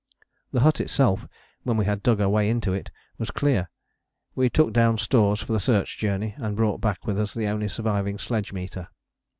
The hut itself, when we had dug our way into it, was clear. We took down stores for the Search Journey, and brought back with us the only surviving sledge meter.